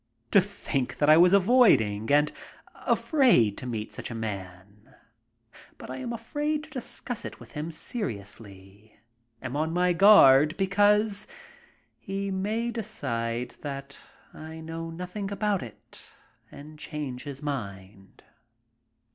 To think that I was avoiding and afraid to meet such a man! But I am afraid to discuss it with him seriously, am on my guard because he may decide that I know nothing about it and change his mind.